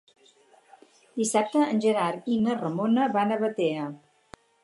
Dissabte en Gerard i na Ramona van a Batea.